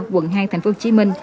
quận hai tp hcm